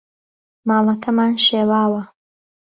ماڵەکەمان شێواوە.